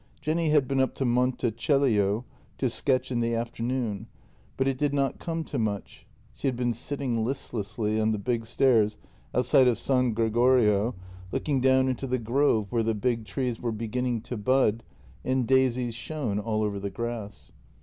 Jenny had been up to Monte Celio to sketch in the afternoon, but it did not come to much — she had been sitting listlessly on the big stairs outside of San Gregorio, looking down into the JENNY 281 grove where the big trees were beginning to bud and daisies shone all over the grass.